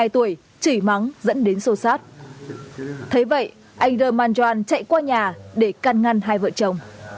ba mươi hai tuổi chỉ mắng dẫn đến xô xát thế vậy anh rơ ma doan chạy qua nhà để can ngăn hai vợ chồng